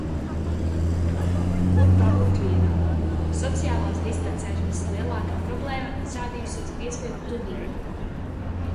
Kur pabūt vienam. Sociālās distancēšanās lielākā problēma izrādījusies piespiedu tuvība.